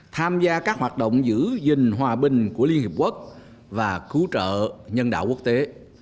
tham gia các hoạt động giữ gìn hòa bình của liên hiệp quốc và cứu trợ nhân đạo quốc tế